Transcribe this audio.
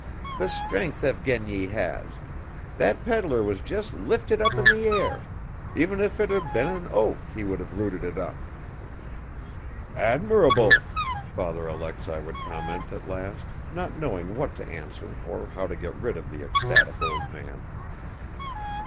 The strength Evgeny has! That pedlar was just lifted up in the air ... even if it had been an oak, he would have rooted it up!" "Admirable!" Father Alexei would comment at last, not knowing what to answer or how to get rid of the ecstatic old man.